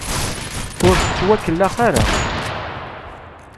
Ur tettwakellax ara.